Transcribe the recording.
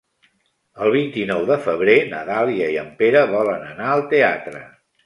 El vint-i-nou de febrer na Dàlia i en Pere volen anar al teatre.